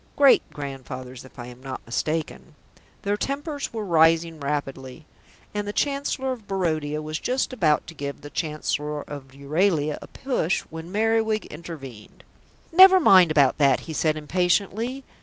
"Great grandfathers, if I am not mistaken." Their tempers were rising rapidly, and the Chancellor of Barodia was just about to give the Chancellor of Euralia a push when Merriwig intervened. "Never mind about that," he said impatiently.